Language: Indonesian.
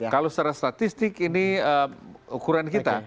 kalau secara statistik ini ukuran kita